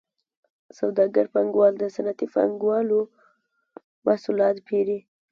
سوداګر پانګوال د صنعتي پانګوالو محصولات پېري